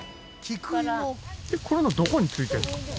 これのどこについてるんですか？